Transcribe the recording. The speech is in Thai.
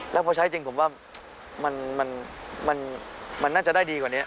แล้วพอใช้จริงผมว่ามันน่าจะได้ดีกว่านี้